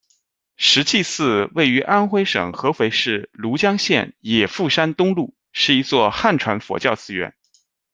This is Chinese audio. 实际寺位于安徽省合肥市庐江县冶父山东麓，是一座汉传佛教寺院。